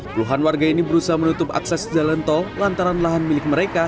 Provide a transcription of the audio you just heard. puluhan warga ini berusaha menutup akses jalan tol lantaran lahan milik mereka